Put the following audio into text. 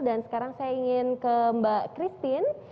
dan sekarang saya ingin ke mbak christine